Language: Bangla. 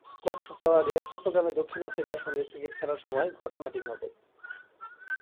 কয়েক সপ্তাহ আগে চট্টগ্রামে দক্ষিণ আফ্রিকার সঙ্গে ক্রিকেট খেলার সময় ঘটনাটি ঘটে।